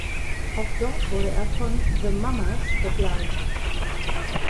Auch dort wurde er von The Mamas begleitet.